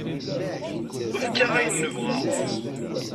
Efk-aɣ ayen nebɣa.